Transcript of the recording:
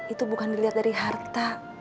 itu bukan dilihat dari harta